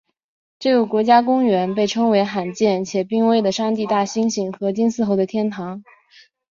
这个国家公园被称为罕见且濒危的山地大猩猩和金丝猴的天堂。